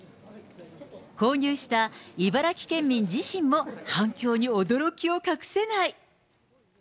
購入した茨城県民自身も反響に驚きを隠せない。